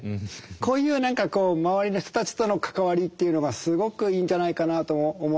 こういう何かこう周りの人たちとの関わりっていうのがすごくいいんじゃないかなと思って。